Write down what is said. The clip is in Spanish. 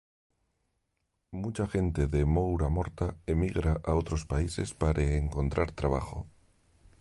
Mucha gente de Moura Morta emigra a otros países pare encontrar trabajo.